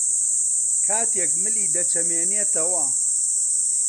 کاتێک ملی دەچەمێنێتەوە